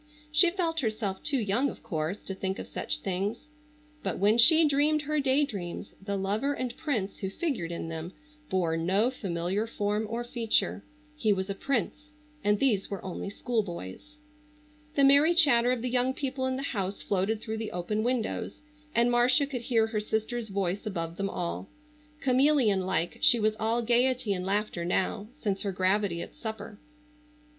She felt herself too young, of course, to think of such things, but when she dreamed her day dreams the lover and prince who figured in them bore no familiar form or feature. He was a prince and these were only schoolboys. The merry chatter of the young people in the house floated through the open windows, and Marcia could hear her sister's voice above them all. Chameleon like she was all gaiety and laughter now, since her gravity at supper.